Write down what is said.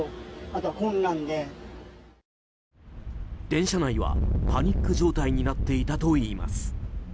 電車内はパニック状態になっていたといいます。